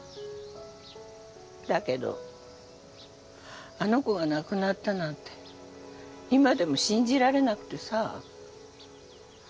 だけどあの子が亡くなったなんて今でも信じられなくてさ。